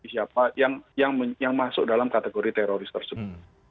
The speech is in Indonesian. siapa yang masuk dalam kategori teroris tersebut